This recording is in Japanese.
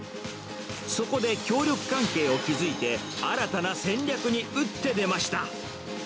そこで協力関係を築いて、新たな戦略に打って出ました。